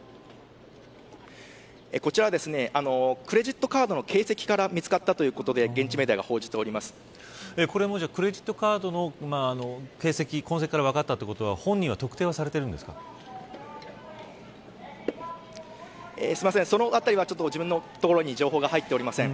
こちらはクレジットカードの形跡から見つかったということでクレジットカードの形跡痕跡から分かったということは本人は特定はすいません。